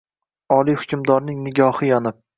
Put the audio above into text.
Oliy hukmdorning nigohi yonib